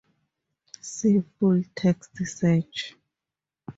See full text search.